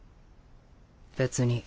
別に。